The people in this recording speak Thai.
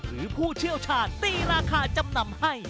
ผู้เชี่ยวชาญตีราคาจำนำให้